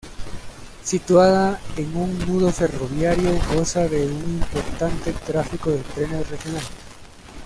Situada en un nudo ferroviario goza de un importante tráfico de trenes regionales.